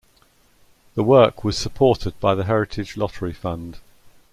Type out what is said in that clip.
The work was supported by the Heritage Lottery Fund.